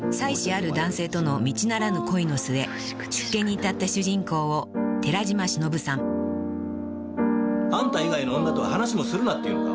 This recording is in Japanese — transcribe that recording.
ある男性との道ならぬ恋の末出家に至った主人公を］あんた以外の女と話もするなっていうのか？